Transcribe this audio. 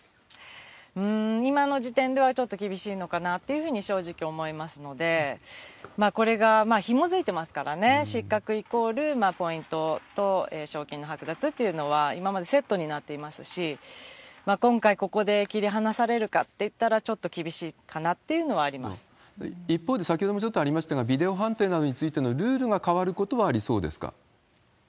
今の時点ではちょっと厳しいのかなというふうに、正直思いますので、これがひもづいてますからね、失格イコールポイントと賞金の剥奪というのは、今までセットになっていますし、今回、ここで切り離されるかといったら、ちょっと厳しいかなっていうのは一方で、先ほどもちょっとありましたが、ビデオ判定などについてのルールが変わることはありそうですか？